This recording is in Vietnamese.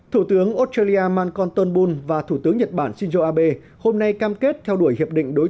thủ tướng australia mancon tonbun và thủ tướng nhật bản shinzo abe hôm nay cam kết theo đuổi